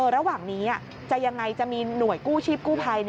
ระหว่างนี้จะยังไงจะมีหน่วยกู้ชีพกู้ภัย